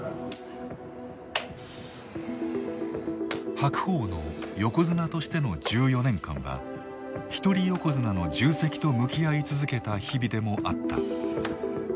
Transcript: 白鵬の横綱としての１４年間は一人横綱の重責と向き合い続けた日々でもあった。